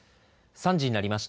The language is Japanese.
３時になりました。